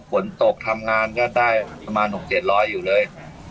ผลตกทำงานก็ได้ประมาณหกเศียดร้อยอยู่เลย